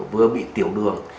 vừa bị tiểu đường